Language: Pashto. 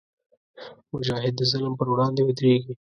مجاهد د ظلم پر وړاندې ودریږي.